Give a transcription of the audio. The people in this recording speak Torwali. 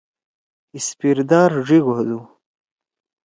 اسپیردار ڙیِک ہودُو۔